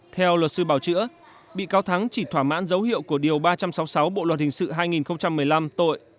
theo luật sư bảo chữa bị cáo thắng chỉ thỏa mãn dấu hiệu của điều ba trăm sáu mươi sáu bộ luật hình sự hai nghìn một mươi năm tội